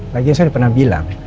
lagian saya udah pernah bilang